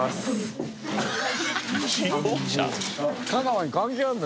香川に関係あるの？